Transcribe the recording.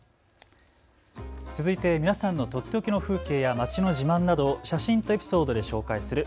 続いて皆さんのとっておきの風景や街の自慢など写真とエピソードで紹介する＃